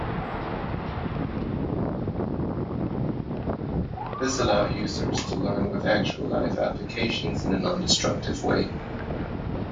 This allowed users to learn with actual live applications in a non-destructive way.